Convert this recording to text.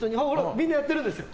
みんなやってるんですよ。